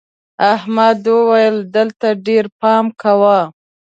احمد وويل: دلته ډېر پام کوه.